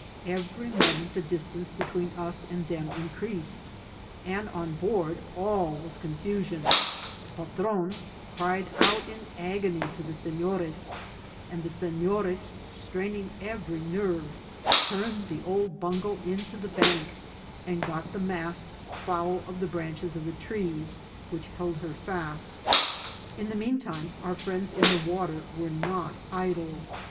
Every moment the dis tance between us and them increased, and on board all was confusion ; the patron cried out in agony to the se nores, and the senores, straining every nerve, turned the old bungo in to the bank, and got the masts foul of the branches of the trees, which held her fast. In the mean time our friends in the water were not idle.